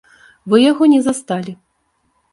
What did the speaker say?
Вы яго не засталі.